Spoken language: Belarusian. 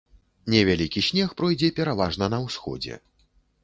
Невялікі снег пройдзе пераважна на ўсходзе.